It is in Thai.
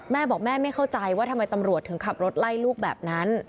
แม่บอกแม่ไม่เข้าใจว่าทำไมตำรวจถึงขับรถไล่ลูกแบบนั้น